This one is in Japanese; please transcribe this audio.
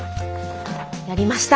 やりました！